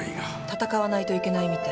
闘わないといけないみたい。